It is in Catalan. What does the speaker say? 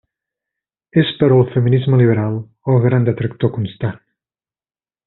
És però el feminisme liberal el gran detractor constant.